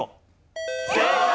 正解。